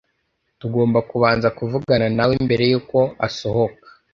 Tugomba kubanza kuvugana nawe mbere yuko asohoka.